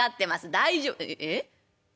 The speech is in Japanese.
大丈夫え？